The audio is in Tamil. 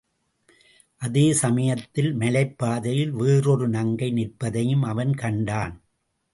அதே சமயத்தில் மலைப்பாதையில் வேறொரு நங்கை நிற்பதையும் அவன் கண்டான்.